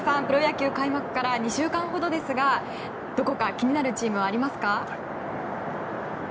プロ野球開幕から２週間ほどですがどこか気になるチームはありますか？